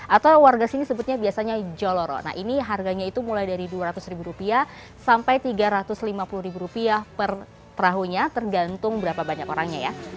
atau warga sini sebutnya biasanya joloro nah ini harganya itu mulai dari dua ratus ribu rupiah sampai tiga ratus lima puluh per perahunya tergantung berapa banyak orangnya ya